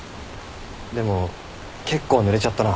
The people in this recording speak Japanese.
でも結構ぬれちゃったな。